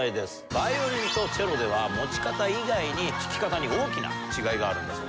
バイオリンとチェロでは持ち方以外に弾き方に大きな違いがあるんだそうです。